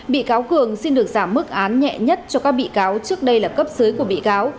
bị cáo cường xin được giảm mức án nhẹ nhất cho các bị cáo trước đây là cấp dưới của bị cáo